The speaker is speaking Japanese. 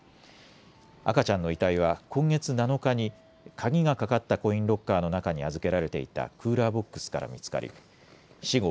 赤ちゃんの遺体は今月７日に鍵がかかったコインロッカーの中に預けられていたクーラーボックスから見つかり死後